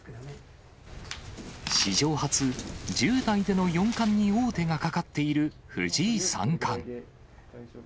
史上初、１０代での四冠に王手がかかっている藤井三冠。